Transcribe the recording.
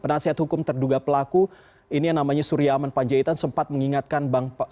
penasihat hukum terduga pelaku ini yang namanya surya aman panjaitan sempat mengingatkan bang